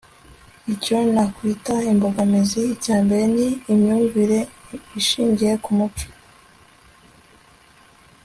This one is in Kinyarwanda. icyo nakwita imbogamizi, icyambere ni imyumvire ishingiye ku muco